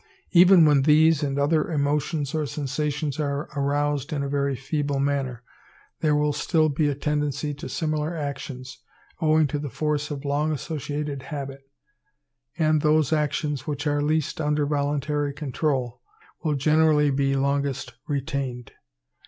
Even when these and other emotions or sensations are aroused in a very feeble manner, there will still be a tendency to similar actions, owing to the force of long associated habit; and those actions which are least under voluntary control will generally be longest retained.